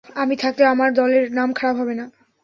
আমি থাকতে আমার দলের নাম খারাপ হবে না।